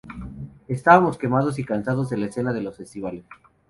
Estábamos quemados y cansados de la escena de los festivales.